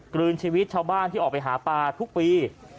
กลืนชีวิตชาวบ้านที่ออกไปหาปลาทุกปี